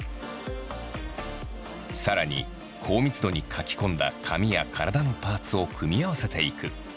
さらに高密度に描き込んだ髪や体のパーツを組み合わせていく。